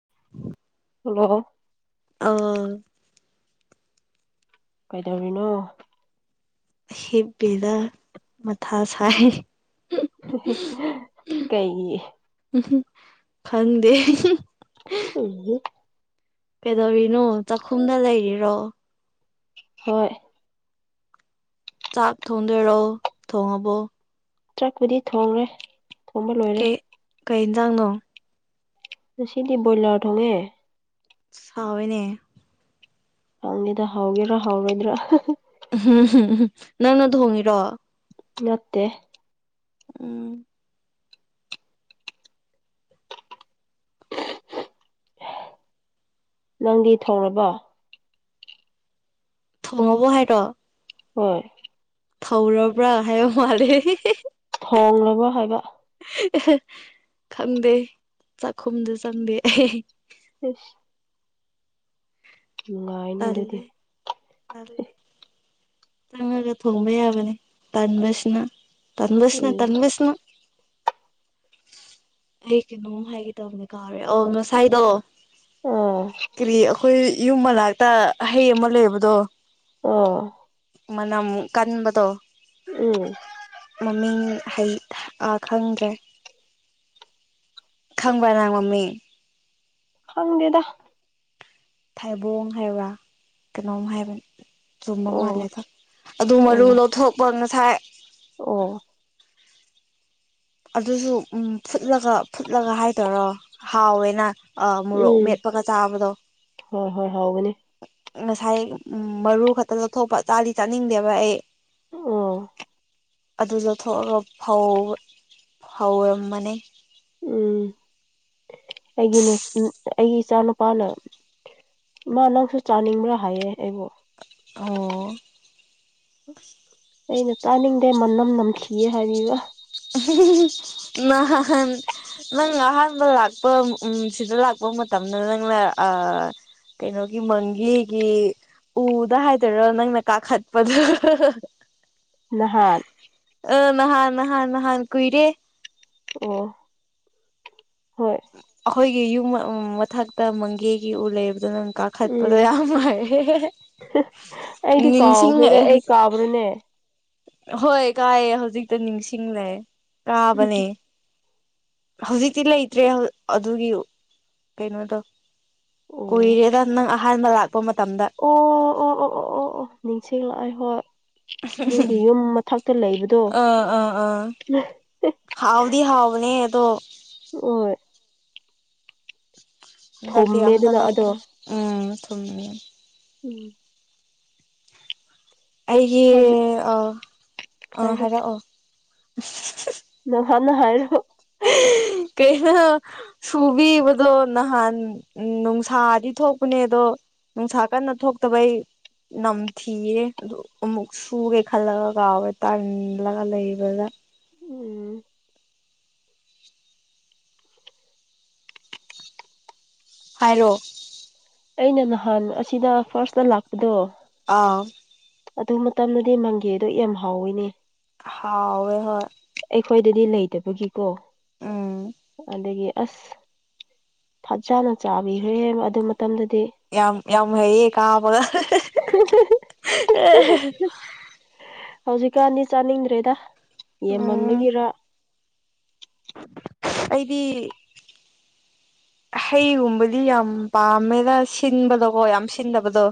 [inaudible] hello ꯑꯣ ꯀꯩꯗꯧꯔꯤꯅꯣ ꯍꯤꯞꯄꯤꯗ ꯃꯊꯥ ꯁꯥꯏ ꯀꯩ ꯎꯝ ꯈꯪꯗꯦ ꯎꯝ ꯄꯦꯗꯧꯕꯤꯅꯣ ꯆꯥꯛꯈꯨꯝꯗ ꯂꯩꯔꯤꯔꯣ ꯍꯣꯏ ꯆꯥꯛ ꯊꯣꯡꯗꯔꯣ ꯊꯣꯡꯉꯕꯣ ꯇ꯭ꯔꯛꯄꯨꯗꯤ ꯊꯣꯡꯔꯦ ꯊꯣꯡꯕ ꯂꯣꯏꯔꯦ ꯀꯩ ꯀꯩ ꯏꯟꯖꯥꯡꯅꯣ ꯁꯤꯗꯤ ꯕꯣꯏꯂꯔ ꯊ ꯍꯣꯒꯦ ꯆꯥꯎꯋꯅꯦ ꯍꯪꯅꯤꯗ ꯍꯥꯎꯒꯦꯔ ꯍꯥꯎꯔꯣꯏꯗ꯭ꯔꯥ ꯅꯪꯅ ꯊꯣꯡꯉꯤꯔꯣ ꯅꯠꯇꯦ ꯎꯝ ꯅꯪꯗꯤ ꯊꯧꯔꯕꯣ ꯊꯣꯡ ꯉꯕꯣ ꯍꯥꯏꯔꯣ ꯍꯣꯏ ꯊꯧꯔꯔ ꯄ ꯑꯥꯏ ꯃꯔꯦ ꯊꯣꯡꯂꯕ ꯍꯥꯏꯕ ꯈꯪꯗꯦ ꯆꯥꯛꯈꯨꯝꯗꯨ ꯆꯪꯗꯦ ꯑꯩ ꯏꯁ ꯅꯨꯡꯉꯥꯏꯅꯦ ꯑꯗꯨꯗꯤ ꯇꯜꯂꯦ ꯇꯜꯂꯦ ꯆꯪꯉꯒ ꯊꯣꯡꯕ ꯌꯥꯕꯅꯤ ꯇꯟꯕꯁꯤꯅ ꯇꯟꯕꯤꯁꯅ ꯎꯝ ꯇꯟꯕꯤꯁꯅ ꯑꯩ ꯀꯩꯅꯣ ꯍꯥꯏꯒꯦ ꯇꯕꯅꯦ ꯀꯥꯎꯔꯦ ꯑ ꯉꯁꯥꯏꯗꯣ ꯑꯥ ꯀꯔꯤ ꯑꯩꯈꯣꯏ ꯌꯨꯝ ꯃꯅꯥꯛꯇ ꯍꯍꯩ ꯑꯃ ꯂꯩꯕꯗꯣ ꯑꯣ ꯃꯅꯨꯛ ꯀꯟꯕꯗꯣ ꯎꯝ ꯃꯃꯤꯡ ꯈꯪꯗ꯭ꯔꯦ ꯈꯪꯕꯅꯥꯡ ꯃꯃꯤꯡ ꯍꯪꯦꯗ ꯊꯩꯕꯣꯡ ꯍꯥꯏꯕ꯭ꯔꯥ ꯀꯩꯅꯣꯝ ꯍꯥꯏꯕꯅꯤ ꯆꯨꯝꯕ ꯑꯣ ꯃꯥꯜꯂꯦ ꯊ ꯑꯗꯨ ꯃꯔꯨ ꯑꯣ ꯂꯧꯊꯣꯛꯄ ꯉꯁꯥꯏ ꯑꯣ ꯑꯗꯨꯁꯨ ꯎ ꯐꯨꯠꯂꯒ ꯐꯨꯠꯂꯒ ꯍꯥꯏꯗꯧꯔꯣ ꯍꯥꯎꯋꯦꯅ ꯃꯣꯔꯣꯛ ꯎꯝ ꯃꯦꯠꯄꯒ ꯆꯥꯕꯗꯣ ꯍꯣꯏ ꯍꯣꯏ ꯍꯧꯒꯅꯤ ꯉꯁꯥꯏ ꯃꯔꯨ ꯈꯛꯇ ꯂꯧꯊꯣꯛꯄ ꯆꯥꯗꯤ ꯆꯥꯅꯤꯡꯗꯦꯕ ꯑꯩ ꯎꯝ ꯑꯗꯨ ꯂꯧꯊꯣꯛꯑꯒ ꯐ ꯐꯧꯔꯝꯃꯅꯦꯩ ꯎꯝ ꯑꯩꯒꯤ ꯑꯩꯒꯤ ꯏꯆꯥ ꯅꯨꯨꯄꯥꯅ ꯏꯃ ꯅꯪꯁꯨ ꯆꯥꯅꯤꯡꯕ꯭ꯔꯥ ꯍꯥꯏꯌꯦ ꯑꯩꯕꯨꯣ ꯑꯣ ꯑꯩꯅ ꯆꯥꯅꯤꯡꯗꯦ ꯃꯅꯝ ꯅꯝꯈꯤꯌꯦ ꯍꯥꯏꯔꯤꯕꯔꯤꯕ [unintelligible] ꯅꯪ ꯑꯍꯥꯟꯕ ꯂꯥꯛꯄ ꯎ ꯁꯤꯗ ꯂꯥꯛꯄ ꯃꯇꯝꯗꯅ ꯅꯪꯅ ꯑ ꯀꯩꯅꯣꯒꯤ ꯃꯪꯒꯦꯒꯤ ꯎꯗ ꯍꯥꯏꯗꯣꯏꯔꯣ ꯅꯪꯅ ꯀꯥꯈꯠꯄꯗꯨ ꯅꯍꯥꯟ ꯑ ꯅꯍꯥꯟ ꯅꯍꯥꯟ ꯅꯍꯥꯟ ꯀꯨꯏꯔꯦ ꯑꯣ ꯍ ꯑꯩꯈꯣꯏꯒꯤ ꯌꯨꯝ ꯃꯊꯛꯇ ꯃꯪꯒꯦꯒꯤ ꯎ ꯂꯩꯕꯗꯨꯣ ꯅꯪ ꯀ ꯎꯝ ꯈꯠꯄꯗꯣ ꯌꯥꯝ ꯃꯥꯥꯏꯦ ꯅꯤꯡꯁꯤꯡꯉꯛꯑꯦ ꯍꯅꯦ ꯍꯣꯏ ꯀꯥꯏꯌꯦ ꯍꯧꯖꯤꯛꯇ ꯅꯤꯡꯁꯤꯡꯂꯦ ꯑꯣ ꯀꯥꯕꯅꯦ ꯍꯧꯖꯤꯛꯇꯤ ꯂꯩꯇ꯭ꯔꯦ ꯑꯗꯨꯒꯤ ꯀꯩꯅꯣ ꯇꯧ ꯀꯨꯏꯔꯦꯗ ꯅꯪ ꯑꯍꯥꯟꯕ ꯂꯥꯛꯄ ꯃꯇꯝꯗ ꯑꯣ ꯑꯣ ꯑꯣ ꯑꯣ ꯑꯣ ꯑꯣ ꯅꯤꯡꯁꯤꯡꯂꯛꯑꯥꯏ ꯍꯣꯏ ꯅꯪꯒꯤ ꯌꯨꯝ ꯃꯊꯛꯇ ꯂꯩꯕꯗꯣ ꯑꯥ ꯑꯥ ꯑꯥ ꯍꯥꯎꯗꯤ ꯍꯥꯎꯕꯅꯦ ꯑꯗꯣ ꯑꯣ ꯗꯒꯗꯤ ꯌꯥꯝꯝꯗꯗ ꯊꯨꯝꯃꯦꯗꯅ ꯑꯗꯣ ꯂꯩꯗ꯭ꯔꯦ ꯎꯝ ꯊꯨꯝꯃꯤꯃꯦ ꯎꯝ ꯑꯩꯒꯤ ꯍꯧꯖꯤꯛ ꯑꯥ ꯑ ꯍꯥꯏꯔꯣ ꯍꯥꯏꯔꯛꯑꯣ ꯅ ꯍꯅ ꯍꯥꯏꯔꯣ ꯀꯅ ꯁꯨꯕꯤꯕꯗꯣ ꯅꯍꯥꯟ ꯅꯨꯡꯁꯥꯗꯤ ꯊꯣꯛꯄꯅꯦꯗꯣ ꯅꯨꯡꯁꯥ ꯀꯟꯅ ꯊꯣꯛꯇꯕꯩ ꯅꯝꯊꯤꯌꯦ ꯑꯃꯨꯛ ꯁꯨꯒꯦ ꯈꯜꯂꯒ ꯀꯥꯎꯋꯦ ꯇꯥꯟꯜꯂꯒ ꯂꯩꯕꯗ ꯎꯝ ꯍꯥꯏꯔꯣ ꯑꯩꯅ ꯅꯍꯥꯟ ꯑꯁꯤꯗ ꯐꯥꯔꯁꯇ ꯂꯥꯛꯄꯗꯣ ꯑꯥ ꯑꯗꯨ ꯃꯇꯝꯗꯨꯗꯤ ꯃꯪꯒꯦꯗꯣ ꯌꯥꯝ ꯍꯥꯎꯋꯤꯅꯦ ꯍꯥꯎꯋꯦ ꯍꯣꯏ ꯑꯩꯈꯣꯏꯗꯗꯤ ꯂꯩꯇꯕꯒꯤꯀꯣ ꯎꯝ ꯑꯗꯒꯤ ꯑꯁ ꯐꯖꯥꯅ ꯆꯥꯕꯤꯈ꯭ꯔꯦ ꯑꯗꯨ ꯃꯇꯝꯗꯗꯤ ꯌꯥꯝ ꯌꯥꯝ ꯍꯩꯌꯦ ꯀꯥꯕꯒ ꯍꯧꯖꯤꯛꯀꯥꯟꯗꯤ ꯆꯥꯅꯤꯡꯗ꯭ꯔꯦꯗ ꯎꯝ ꯌꯦꯃꯟꯕꯒꯤꯔ ꯑꯩꯗꯤ [inaudible] ꯍꯩꯒꯨꯝꯕꯗꯤ ꯌꯥꯝ ꯄꯥꯝꯃꯦꯗ ꯁꯤꯟꯕꯗꯣꯀꯣ ꯌꯥꯝ ꯁꯤꯟꯗꯕꯗꯣ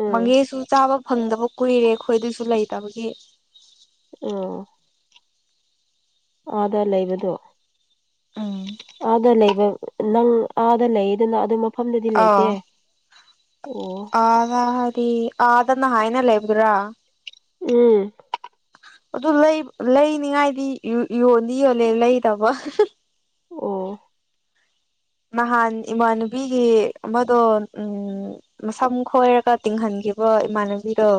ꯎꯝ ꯃꯒꯦꯁꯨ ꯆꯥꯕ ꯐꯪꯗꯕ ꯀꯨꯏꯔꯦ ꯑꯩꯈꯣꯏꯗꯁꯨ ꯂꯩꯇꯕꯒꯤ ꯑꯣ ꯑꯗ ꯂꯩꯕꯗꯣ ꯎꯝ ꯑꯥꯗ ꯂꯩꯕ ꯅꯪ ꯑꯥꯗ ꯂꯩꯌꯦꯗꯅ ꯑꯗꯨ ꯃꯐꯝꯗꯗꯤ ꯂꯩꯇꯦ ꯑꯣ ꯑꯔꯤ ꯑꯗꯨꯗꯅ ꯍꯥꯏꯥꯏꯅ ꯂꯩ ꯏꯕꯗ꯭ꯔꯥ ꯎꯝ ꯑꯗꯨ ꯂꯩ ꯂꯩꯅꯤꯉꯥꯏꯗꯤ ꯌꯣꯟꯗꯤ ꯌꯣꯜꯂꯦ ꯂꯩꯗꯕ ꯑꯣ ꯅꯥꯟ ꯏꯃꯥꯟꯅꯕꯤꯒꯤ ꯃꯗꯣ ꯎꯝ ꯃꯝ ꯈꯣꯏꯔꯒ ꯇꯤꯡꯍꯟꯈꯤꯕ ꯏꯃꯥꯟꯅꯕꯤꯗꯣ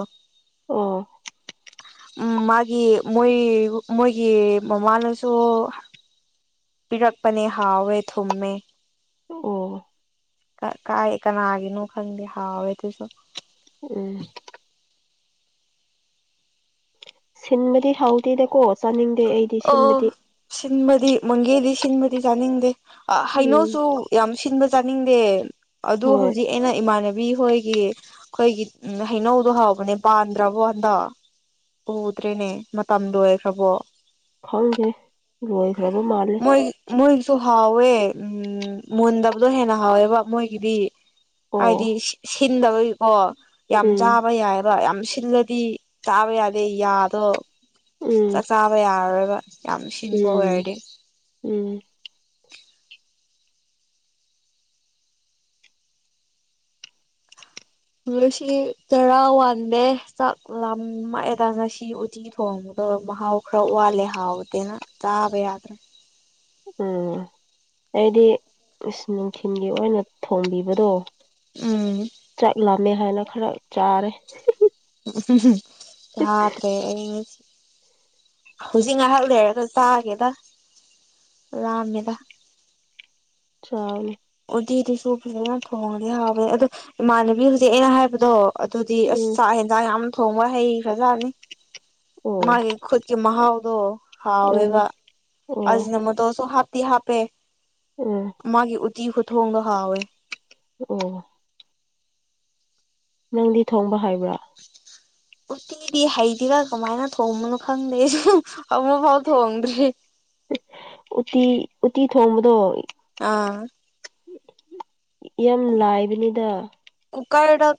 ꯑꯣ ꯎꯝ ꯃꯥꯒꯤ ꯃꯣꯏ ꯃꯣꯏꯒꯤ ꯃꯃꯥꯅꯁꯨ ꯄꯤꯔꯛꯄꯅꯦ ꯍꯥꯎꯋꯦ ꯊꯨꯝꯃꯦ ꯑꯣ ꯀꯥꯏ ꯀꯅꯥꯒꯤꯅꯣ ꯈꯪꯗꯦ ꯍꯥꯎꯋꯦ ꯑꯗꯨꯁꯨ ꯎꯝ ꯁꯤꯟꯕꯗꯤ ꯍꯥꯎꯗꯦꯗꯀꯣ ꯆꯥꯅꯤꯡꯗꯦ ꯑꯩꯗꯤ ꯑ ꯁꯤꯟꯕꯗꯤ ꯁꯤꯟꯕꯗꯤ ꯃꯪꯒꯦꯗꯤ ꯁꯤꯟꯕꯗꯤ ꯆꯥꯅꯤꯡꯗꯦ ꯑ ꯎꯝ ꯍꯩꯅꯣꯁꯨ ꯌꯥꯝ ꯁꯤꯟꯕ ꯆꯥꯅꯤꯡꯗꯦ ꯑꯗꯨ ꯍꯣꯏ ꯍꯧꯖꯤꯛ ꯑꯩꯅ ꯏꯃꯥꯟꯅꯕꯤ ꯍꯣꯏꯒꯤ ꯑꯩꯈꯣꯏꯒꯤ ꯍꯩꯅꯧꯗꯣ ꯍꯧꯕꯅꯦ ꯄꯥꯟꯗ꯭ꯔꯕꯣ ꯍꯟꯗꯛ ꯎꯗ꯭ꯔꯦꯅꯦ ꯃꯇꯝ ꯂꯣꯏ ꯑꯣꯏꯈ꯭ꯔꯕꯣ ꯈꯪꯗꯦ ꯂꯣꯏꯒ꯭ꯔꯕ ꯃꯥꯜꯂꯦ ꯃꯣꯏ ꯃꯣꯏꯒꯤꯁꯨ ꯍꯥꯎꯋꯦ ꯎꯝ ꯃꯨꯟꯗꯕꯗꯣ ꯍꯦꯟꯅ ꯍꯥꯎꯋꯦꯕ ꯃꯣꯏꯒꯤꯗꯤ ꯑꯣ ꯍꯥꯏꯗꯤ ꯁꯤꯟꯗꯕꯒꯤꯀꯣ ꯌꯥꯝ ꯎꯝ ꯆꯥꯕ ꯌꯥꯏ ꯑꯗ ꯌꯥꯝ ꯁꯤꯜꯂꯗꯤ ꯆꯥꯕ ꯌꯥꯗꯦ ꯌꯥꯗꯣ ꯎꯝ ꯆꯥꯛ ꯆꯥꯕ ꯌꯥꯔꯣꯏꯒ ꯌꯥꯝ ꯁꯤꯟꯕ ꯎꯝ ꯑꯣꯏꯔꯗꯤ ꯎꯝ ꯉꯁꯤ ꯆꯔꯥ ꯋꯥꯟꯗꯦ ꯆꯥꯛ ꯂꯥꯃꯛꯑꯦꯗ ꯉꯁꯤ ꯎꯇ ꯊꯣꯡꯕꯗꯣ ꯃꯍꯥꯎ ꯈꯔ ꯋꯥꯠꯂꯦ ꯍꯥꯎꯕꯗꯦꯅ ꯆꯥꯕ ꯌꯥꯗ꯭ꯔꯦ ꯎꯝ ꯑꯩꯗꯤ ꯅꯨꯡꯊꯤꯜꯒꯤ ꯑꯣꯏꯅ ꯊꯣꯝꯕꯤꯕꯗꯣ ꯎꯝ ꯆꯠꯂꯝꯃꯦ ꯍꯥꯏꯅ ꯈꯔ ꯆꯥꯔꯦ ꯁꯥꯇꯦ ꯍꯧꯖꯤꯛ ꯉꯥꯏꯍꯥꯛ ꯂꯩꯔꯒ ꯆꯥꯒꯦꯗ ꯂꯥꯝꯃꯦꯗ [unintelligible] ꯑꯣꯗꯤꯁꯨ ꯐꯖꯅ ꯊꯣꯡꯗꯤ ꯍꯥꯎꯕꯅꯦ ꯑꯗꯣ ꯏꯃꯥꯟꯅꯕꯤ ꯍꯧꯖꯤꯛ ꯑꯩꯅ ꯍꯥꯏꯕꯗꯣ ꯑꯗꯨꯗꯤ ꯑꯁ ꯎꯝ ꯆꯥꯛ ꯌꯦꯟꯁꯥꯡ ꯌꯥꯝ ꯊꯣꯡꯕ ꯍꯩ ꯐꯖꯅꯤ ꯑꯣ ꯃꯥꯒꯤ ꯈꯨꯠꯀꯤ ꯃꯍꯥꯎꯗꯣ ꯍꯥꯎꯋꯦꯕ ꯎꯝ ꯑꯣ ꯑꯅ ꯃꯗꯣꯁꯨ ꯍꯥꯞꯇꯤ ꯍꯥꯞꯄꯦ ꯎꯝ ꯃꯥꯒꯤ ꯎꯇꯤ ꯈꯨꯊꯣꯡꯒ ꯍꯥꯎꯋꯦ ꯑꯣ ꯅꯪꯗꯤ ꯊꯣꯡꯕ ꯍꯥꯏꯕ꯭ꯔꯥ ꯎꯇꯤꯗꯤ ꯍꯩꯗꯤꯔꯥ ꯀꯃꯥꯏꯅ ꯊꯣꯡꯕꯅꯣ ꯈꯪꯗꯦ ꯑꯃꯐꯥꯎ ꯊꯣꯡꯗ꯭ꯔꯤ ꯎꯇꯤ ꯎꯇꯤ ꯊꯣꯡꯕꯗꯣ ꯑꯥ ꯌꯥꯝ ꯂꯥꯏꯕꯅꯤꯗ ꯀꯨꯀꯔꯗ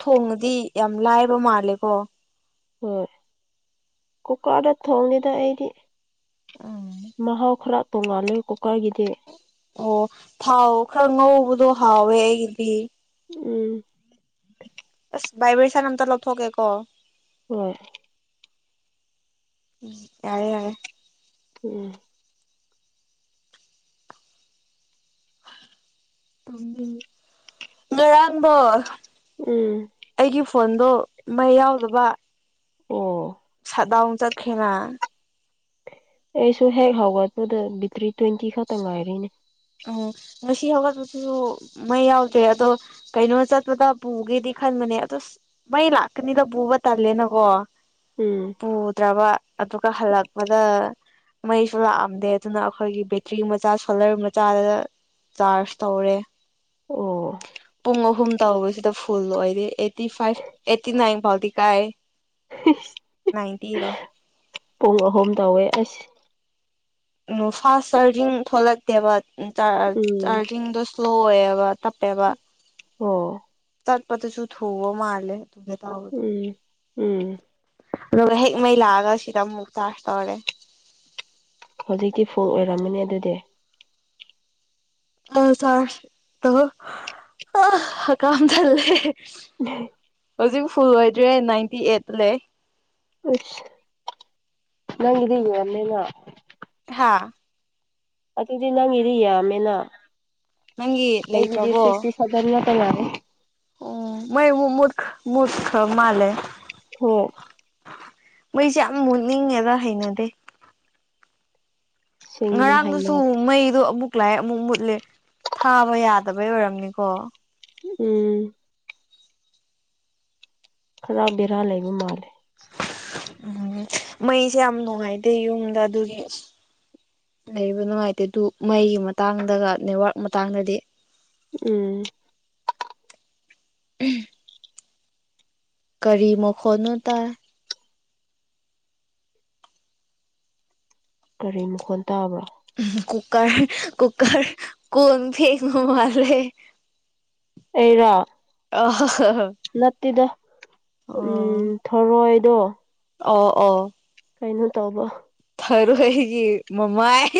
ꯊꯣꯡꯉꯗꯤ ꯌꯥꯝ ꯂꯥꯏꯕ ꯃꯥꯜꯂꯦꯀꯣ ꯍꯣꯏ ꯀꯨꯀꯔꯗ ꯊꯣꯡꯉꯦꯗ ꯑꯩꯗꯤ ꯑꯥ ꯃꯍꯥꯎ ꯈꯔ ꯇꯣꯡꯉꯥꯂ ꯀꯨꯀꯔꯒꯤꯗꯤ ꯑꯣ ꯊꯥꯎ ꯈꯔ ꯉꯧꯕꯗꯣ ꯍꯥꯎꯋꯦ ꯑꯩꯒꯤꯗꯤ ꯎꯝ ꯃꯥꯏꯒꯔꯦꯁꯟ ꯑꯝꯇ ꯂꯧꯊꯣꯛꯒꯦ ꯀꯣ ꯍꯣꯏ ꯎꯝ ꯌꯥꯔꯦ ꯌꯥꯔꯦ ꯎꯝ ꯉꯔꯥꯡꯗꯣ ꯎꯝ ꯑꯩꯒꯤ ꯐꯣꯟꯗꯣ ꯃꯩ ꯌꯥꯎꯗꯕ ꯑꯣ ꯁꯠꯗꯥꯎꯟ ꯆ ꯈꯦꯅꯥ ꯑꯩꯁꯨ ꯍꯦꯛ ꯍꯧꯒꯠꯄꯗ ꯕꯦꯇ꯭ꯔꯤ ꯇ꯭ꯋꯦꯟꯇꯤ ꯈꯛꯇꯪ ꯉꯥꯏꯔꯤꯅꯦ ꯎꯝ ꯉꯁꯤ ꯍꯧꯒꯠꯄꯗꯁꯨ ꯃꯩ ꯌꯥꯎꯗ꯭ꯔꯦ ꯑꯗꯣ ꯀꯩꯅꯣ ꯆꯠꯄꯗ ꯄꯨꯒꯦꯗꯤ ꯈꯟꯕꯅꯦ ꯑꯗꯨ ꯃꯩ ꯂꯥꯛꯀꯅꯤꯗ ꯄꯨꯕ ꯇꯜꯂꯦꯅꯀꯣ ꯎꯝ ꯄꯨꯗ꯭ꯔꯕ ꯑꯗꯨꯒ ꯍꯜꯂꯛꯄꯗ ꯃꯩꯁꯨ ꯂꯥꯛꯑꯝꯗꯦ ꯑꯗꯨꯅ ꯑꯩꯈꯣꯏꯒꯤ ꯕꯦꯇ꯭ꯔꯤ ꯃꯆꯥ ꯁꯣꯂꯔ ꯃꯆꯥ ꯆꯥꯗꯗ ꯆꯥꯔꯖ ꯇꯧꯔꯦ ꯑꯣ ꯄꯨꯡ ꯑꯍꯨꯝ ꯇꯧꯕꯁꯤꯗ ꯐꯨꯜ ꯑꯣꯏꯔꯦ ꯑꯩꯠꯇꯤ ꯐꯥꯏꯚ ꯑꯦꯠꯇꯤ ꯅꯥꯏꯟ ꯐꯥꯎꯗꯤ ꯀꯥꯏ ꯅꯥꯏꯟꯇꯤꯔꯣ ꯄꯨꯡ ꯑꯍꯨꯝ ꯇꯧꯋꯦ ꯑꯁ ꯐꯥꯁ ꯆꯥꯔꯖꯤꯡ ꯊꯣꯂꯛꯇꯦꯕ ꯎꯝ ꯆꯥꯔꯖꯤꯡꯗꯣ ꯁ꯭ꯂꯣ ꯑꯣꯏꯌꯦꯕ [unintelligible] ꯑꯣ ꯇꯠꯄꯇꯁꯨ ꯊꯧꯑꯣ ꯃꯥꯔꯂ ꯇꯨ ꯇꯥꯕꯗ ꯎꯝ ꯎꯝ ꯑꯗꯨꯒ ꯍꯦꯛ ꯃꯩ ꯂꯥꯛꯑꯒ ꯁꯤꯗ ꯑꯃꯨꯛ ꯆꯥꯔꯖ ꯇꯧꯔꯦ ꯍꯧꯖꯤꯛꯇꯤ ꯐꯨ ꯑꯣꯏꯔꯝꯃꯅꯤ ꯑꯗꯨꯗꯤ ꯑ ꯁꯥꯣ ꯑ ꯀꯝ ꯊꯂꯦ [unintelligible] ꯍꯧꯖꯤꯛ ꯐꯨꯜ ꯑꯣꯏꯗ꯭ꯔꯦ ꯅꯥꯏꯟꯇꯤ ꯑꯩꯠꯇ ꯂꯩ ꯑꯁ ꯅꯪꯗ ꯋꯥꯟꯅꯦꯅ ꯍꯥꯥ ꯑꯗꯨꯗꯤ ꯅꯪꯒꯤꯗꯤ ꯌꯥꯝꯃꯦꯅ ꯅꯪꯒꯤ ꯑꯩꯒꯤꯗꯤ ꯂꯩꯇ꯭ꯔꯕꯣ ꯁꯤꯛꯁꯇꯤ ꯁꯚꯦꯟ ꯉꯥꯛꯇ ꯉꯥꯏꯑꯦ ꯎ ꯃ ꯃ ꯃꯔꯈ ꯃꯥꯂꯦ ꯍꯣꯏ ꯃꯣꯏꯁꯦ ꯌꯥꯝ ꯃꯨꯠꯅꯤꯡꯉꯦꯗ ꯍꯩꯅꯗꯦ ꯁꯦꯡꯕꯅꯦ ꯉꯔꯥꯡꯗꯨꯁꯨ ꯍꯩꯅꯗꯦ ꯃꯩꯗꯣ ꯑꯃꯨꯛ ꯂꯥꯏ ꯑꯃꯨꯛ ꯃꯨꯠꯂꯤꯦ ꯊꯥꯕ ꯌꯥꯗꯕꯩ ꯑꯣꯏꯔꯝꯅꯤꯀꯣ ꯎꯝ ꯈꯔ ꯕꯦꯔꯥ ꯂꯩꯕ ꯃꯥꯜꯂꯦ ꯎꯝ ꯃꯩꯁꯦ ꯌꯥꯝ ꯅꯨꯡꯉꯥꯏꯇꯦ ꯌꯨꯝꯗ ꯑꯗꯨꯒꯤ ꯂꯩꯕ ꯅꯨꯡꯉꯥꯏꯇꯦ ꯑꯗꯨ ꯃꯩꯒꯤ ꯃꯇꯥꯡꯗꯒ ꯅꯦꯠꯋꯥꯔꯛ ꯃꯇꯥꯡꯗꯗꯤ ꯎꯝ [unintelligible] ꯀꯔꯤ ꯃꯈꯣꯟꯠꯅꯣ ꯇꯥꯏ ꯀꯔꯤ ꯃꯈꯣꯟ ꯇꯥꯕ꯭ꯔꯣ ꯎ ꯀꯨꯀ ꯀꯨꯀ ꯀꯣꯟ ꯐꯦꯡ ꯃꯍꯂꯦ ꯑꯩꯔꯣ [unintelligible] ꯅꯠꯇꯦꯗ ꯎꯝ ꯑꯣ ꯊꯣꯔꯣꯏꯗꯣ ꯑꯣ ꯑꯣ ꯀꯩꯅꯣ ꯇꯧꯕ ꯊꯔꯣꯏꯒꯤ ꯃꯃꯥꯏ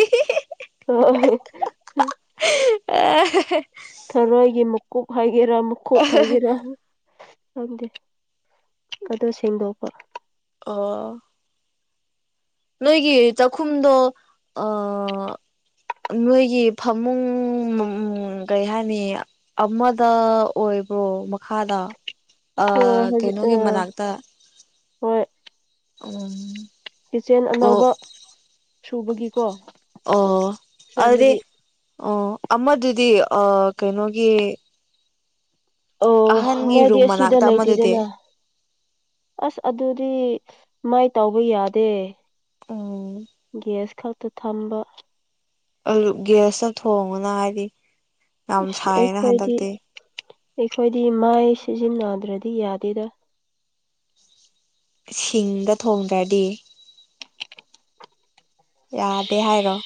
[unintelligible] [unintelligible] ꯊꯔꯣꯏꯒꯤ ꯃꯨꯀꯨꯞ ꯍꯥꯏꯒꯦꯔꯥ ꯃꯨꯈꯨꯞ ꯍꯥꯏꯒꯦꯔꯥ ꯈꯪꯗꯦ ꯑꯗꯣ ꯁꯦꯡꯗꯣꯛꯄ ꯑꯣ ꯅꯣꯏꯒꯤ ꯆꯥꯛꯈꯨꯝꯗꯣ ꯑ ꯅꯣꯏꯒꯤ ꯐꯃꯨꯡ ꯀꯩ ꯍꯥꯏꯅꯤ ꯑꯃꯗ ꯑꯣꯏꯕꯣ ꯃꯈꯥꯗ ꯑ ꯍꯣꯏ ꯍꯧꯖꯤꯛ ꯑ ꯀꯩꯅꯣꯒꯤ ꯃꯅꯥꯛꯇ ꯎꯝ ꯀꯤꯆꯦꯟ ꯑꯣ ꯑꯅꯧꯕ ꯁꯨꯕꯒꯤꯀꯣ ꯑꯣ ꯑꯗꯨꯗꯤ ꯁꯦꯝꯕꯒꯤ ꯑꯣ ꯑꯃꯗꯨꯗꯤ ꯑ ꯀꯩꯅꯣꯒꯤ ꯑꯣ ꯑꯍꯟꯒꯤ ꯃꯣꯏꯗꯤ ꯔꯨꯝ ꯑꯁꯤꯗ ꯃꯅꯥꯛꯇ ꯑꯃꯗꯨꯗꯤ ꯂꯩꯇꯦꯗꯅ ꯑꯁ ꯑꯗꯨꯗꯤ ꯃꯥꯏ ꯇꯥꯎꯕ ꯌꯥꯗꯦ ꯎꯝ ꯒꯦꯁ ꯈꯛꯇ ꯊꯝꯕ ꯑꯂꯨ ꯒ꯭ꯌꯥꯁꯇ ꯊꯣꯡꯉꯅ ꯍꯥꯏꯗꯤ ꯌꯥꯝ ꯁꯥꯏꯌꯦꯅ ꯑꯩꯈꯣꯏꯗꯤ ꯍꯟꯗꯛꯇꯤ ꯑꯩꯈꯣꯏꯗꯤ ꯃꯥꯏ ꯁꯤꯖꯤꯟꯅꯗ꯭ꯔꯗꯤ ꯌꯥꯗꯦꯗ ꯁꯤꯡꯗ ꯊꯣꯡꯗ꯭ꯔꯗꯤ ꯌꯥꯗꯦ ꯍꯥꯏꯔꯣ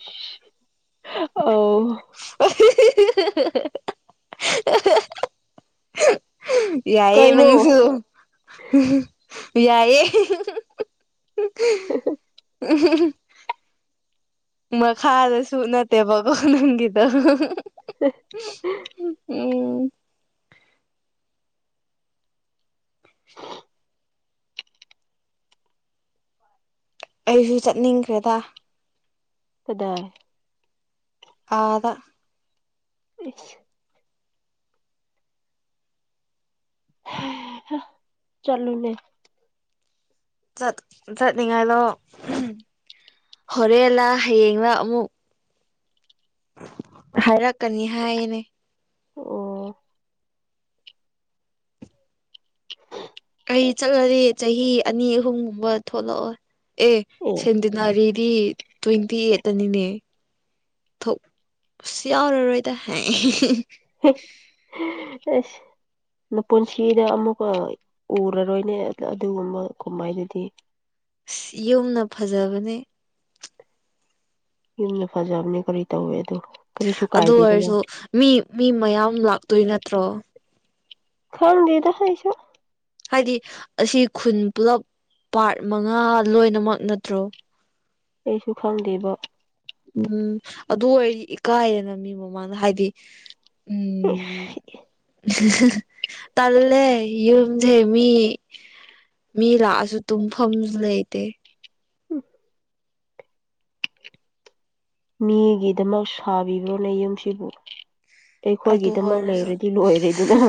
[unintelligible] [unintelligible] ꯌꯥꯏꯌꯦ ꯀꯩꯅꯣ ꯅꯪꯁꯨ [unintelligible] ꯌꯥꯏꯑꯦ [unintelligible] [unintelligible] ꯃꯈꯥꯗ ꯁꯨ ꯅꯠꯇꯦꯕꯀꯣ ꯅꯪꯒꯤꯗꯣ [inaudible] ꯎꯝ ꯑꯩꯁꯨ ꯆꯠꯅꯤꯡꯈ꯭ꯔꯦꯗ ꯀꯗꯥꯏ ꯑꯥꯗ ꯏꯁ [unintelligible] ꯆꯠꯂꯨꯅꯦ ꯆꯠ ꯆꯠꯅꯤꯡꯉꯥꯏꯗꯣ ꯍꯣꯔꯦꯟꯂ ꯍꯌꯦꯡꯂ ꯑꯃꯨꯛ ꯍꯥꯏꯔꯛꯀꯅꯤ ꯍꯥꯏꯌꯦꯅꯦ ꯑꯣ [unintelligible] ꯀꯔꯤ ꯆꯠꯂꯗꯤ ꯆꯍꯤ ꯑꯅꯤ ꯑꯍꯨꯝꯒꯨꯝꯕ ꯊꯣꯛꯂꯛꯑꯣ ꯑꯦ ꯁꯦꯟ [unintelligible] ꯇ꯭ꯋꯦꯟꯇꯤ ꯑꯩꯠꯇ ꯅꯤꯅꯦ ꯊꯣꯛ ꯌꯥꯎꯔꯔꯣꯏꯗ [unintelligible] [unintelligible] ꯃꯄꯨꯟꯁꯤꯗ ꯑꯃꯨꯛꯀ ꯎꯔꯔꯣꯏꯅꯦ ꯑꯗꯨꯒꯨꯝꯕ ꯀꯨꯝꯍꯩꯗꯨꯗꯤ ꯏꯁ ꯌꯨꯝꯅ ꯐꯖꯕꯅꯦ ꯌꯨꯝꯅ ꯐꯖꯕꯅꯦ ꯀꯔꯤ ꯇꯧꯋꯦ ꯑꯗꯨ ꯀꯔꯤꯁꯨ ꯑꯗꯨ ꯀꯥꯏꯗꯦꯗꯅ ꯑꯣꯏꯔꯁꯨ ꯃꯤ ꯃꯤ ꯃꯌꯥꯝ ꯂꯥꯛꯇꯣꯏ ꯅꯠꯇ꯭ꯔꯣ ꯈꯪꯗꯦꯗ ꯑꯩꯁꯨ ꯍꯥꯏꯗꯤ ꯑꯁꯤ ꯈꯨꯟ ꯄꯨꯂꯞ ꯄꯥꯔꯠ ꯃꯉꯥ ꯂꯣꯏꯅꯃꯛ ꯅꯠꯇ꯭ꯔꯣ ꯑꯩꯁꯨ ꯈꯪꯗꯦꯕ ꯎꯝ ꯑꯗꯨ ꯑꯣꯏꯗꯤ ꯏꯀꯥꯏꯔꯦꯅ ꯃꯤ ꯃꯃꯥꯡꯗ ꯍꯥꯏꯗꯤ ꯎꯝ [unintelligible] ꯇꯜꯂꯦ ꯌꯨꯝꯖꯦ ꯃꯤ ꯃꯤ ꯂꯥꯛꯑꯁꯨ ꯇꯨꯝꯐꯝꯖꯨ ꯂꯩꯇꯦ ꯃꯤꯒꯤꯗꯃꯛ ꯁꯥꯕꯤꯕ꯭ꯔꯣꯅꯦ ꯌꯨꯝꯁꯤꯕꯨ ꯑꯗꯨ ꯑꯩꯈꯣꯏꯒꯤꯗꯃꯛ ꯑꯣꯏꯔꯁꯨ ꯂꯩꯔꯗꯤ ꯂꯣꯏꯔꯦ ꯗꯅ